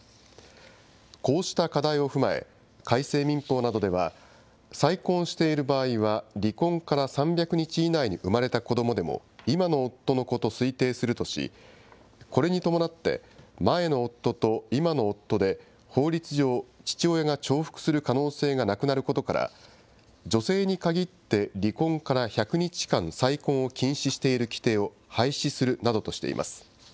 こうした課題を踏まえ、改正民法などでは、再婚している場合は、離婚から３００日以内に生まれた子どもでも、今の夫の子と推定するとし、これに伴って、前の夫と今の夫で法律上、父親が重複する可能性がなくなることから、女性に限って離婚から１００日間、再婚を禁止している規定を廃止するなどとしています。